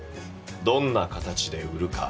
どんな形で売るか。